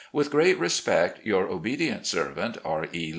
With great respect, " Your obedient servant, R, E.